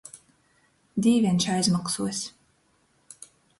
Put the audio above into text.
Dīveņš aizmoksuos.